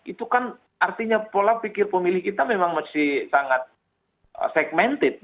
itu kan artinya pola pikir pemilih kita memang masih sangat segmented